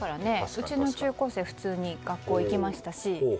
うちの中高生、普通に学校行きましたし。